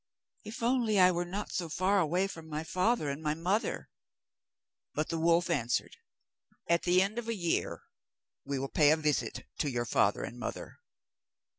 'If only I were not so far away from my father and my mother!' But the wolf answered: 'At the end of a year we will pay a visit to your father and mother.